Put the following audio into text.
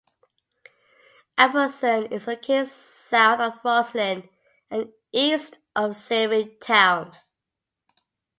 Albertson is located south of Roslyn and east of Searingtown.